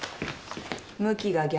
向きが逆。